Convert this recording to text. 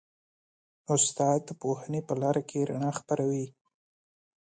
استاد د پوهنې په لاره کې رڼا خپروي.